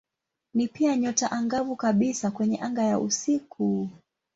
Ni pia nyota angavu kabisa kwenye anga ya usiku.